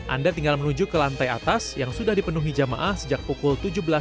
anda tinggal menuju ke lantai atas yang sudah dipenuhi jemaah sejak pukul tujuh belas tiga puluh